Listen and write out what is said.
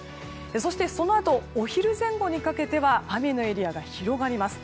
そして、そのあとお昼前後にかけては雨のエリアが広がります。